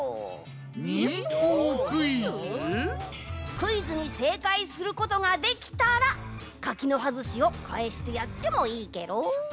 クイズにせいかいすることができたら柿の葉ずしをかえしてやってもいいケロ。